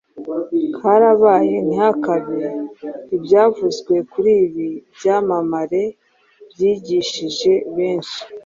Harabaye ntihakabe ! Ibyavuzwe kuri ibi byamamare byigishije benshi,